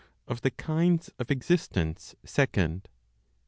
Of the Kinds of Existence, Second.